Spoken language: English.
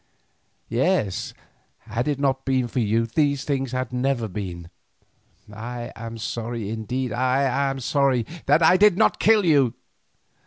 Yes, had it not been for you, these things had never been. I am sorry, indeed I am sorry—that I did not kill you.